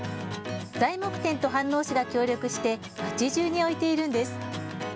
材木店と飯能市が協力して町じゅうに置いているんです。